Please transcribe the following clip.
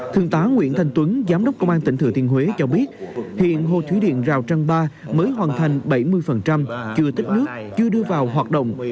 thượng tá nguyễn thành tuấn giám đốc công an tỉnh thừa thiên huế cho biết hiện hồ thủy điện rào trăng ba mới hoàn thành bảy mươi chưa tích nước chưa đưa vào hoạt động